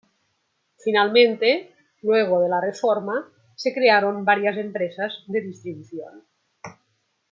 Finalmente, luego de la reforma se crearon varias empresas de distribución.